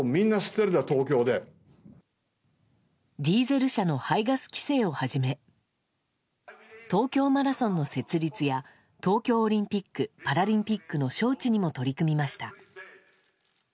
ディーゼル車の排ガス規制をはじめ東京マラソンの設立や東京オリンピック・パラリンピックの招致にも取り組みました。